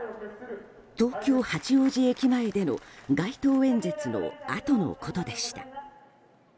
東京・八王子駅前での街頭演説のあとのことでした。